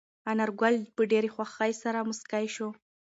انارګل په ډېرې خوښۍ سره موسکی شو.